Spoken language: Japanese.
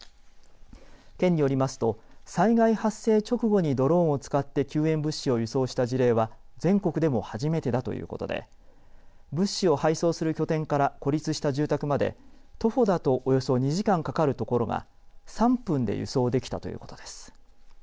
県によりますと災害発生直後にドローンを使って救援物資を輸送した事例は全国でも初めてだということで物資を配送する拠点から孤立した住宅まで徒歩だとおよそ２時間かかるところが３分で輸送できたということです。